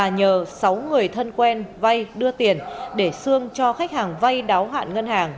sáu người thân quen vay đưa tiền để xương cho khách hàng vay đáo hạn ngân hàng